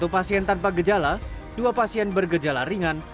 satu pasien tanpa gejala dua pasien bergejala ringan